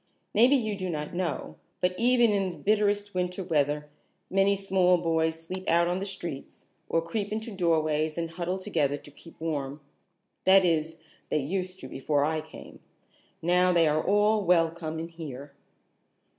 Maybe you do not know, but even in the bitterest winter weather many small boys sleep out in the streets or creep into doorways and huddle together to keep warm. That is, they used to before I came. Now they are all welcome in here."